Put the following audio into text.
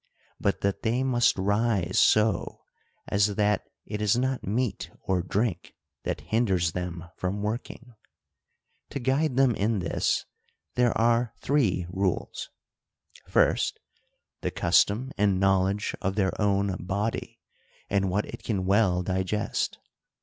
But that they must rise so, as that it is not meat or drink that hinders them from working. To guide them in this, there are three rules. First, the custom and knowledge of their own body, and what it can well digest.